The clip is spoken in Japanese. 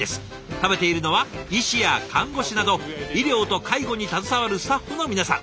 食べているのは医師や看護師など医療と介護に携わるスタッフの皆さん。